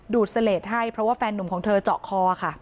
เสลดให้เพราะว่าแฟนหนุ่มของเธอเจาะคอค่ะ